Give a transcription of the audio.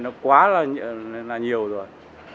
nó là nhiều rồi